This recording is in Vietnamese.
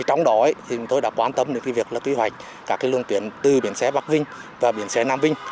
trong đó tôi đã quan tâm đến việc quy hoạch luồng tuyển từ bến xe bắc vinh và bến xe nam vinh